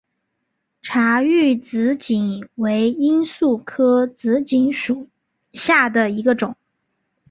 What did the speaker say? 察隅紫堇为罂粟科紫堇属下的一个种。